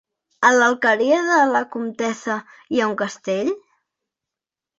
A l'Alqueria de la Comtessa hi ha un castell?